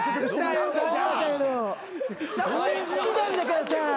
好きなんだからさ。